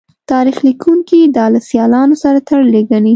تاریخ لیکوونکي دا له سیالانو سره تړلې ګڼي